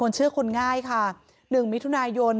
มีเรื่องอะไรมาคุยกันรับได้ทุกอย่าง